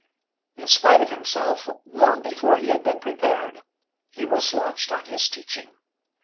In spite of himself, long before he had been prepared, he was launched on his teaching.